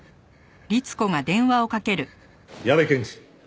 矢部検事！